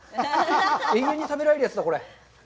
永遠に食べられるやつだ、これ。